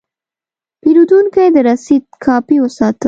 پیرودونکی د رسید کاپي وساته.